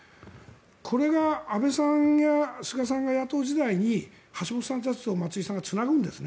これが安倍さんや菅さんが野党時代に橋下さんたちと松井さんをつなぐんですね。